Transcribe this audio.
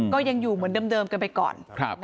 ก็ยังอยู่เหมือนเดิมกันไปก่อน